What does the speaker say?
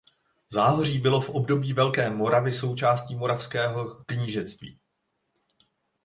Záhoří bylo v období Velké Moravy součástí Moravského knížectví.